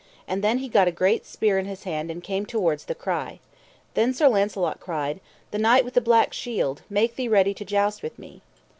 And then he gat a great spear in his hand and came towards the cry. Then Sir Launcelot cried: The Knight with the Black Shield, make thee ready to joust with me.